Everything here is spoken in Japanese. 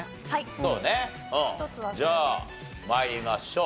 じゃあ参りましょう。